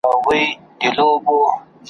راته وساته ګلونه د نارنجو امېلونه ,